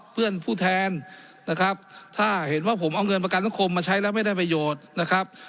เพื่อนผู้แทนนะครับถ้าเห็นว่าผมเอาเงินประกันสังคมมาใช้แล้วไม่ได้ประโยชน์นะครับ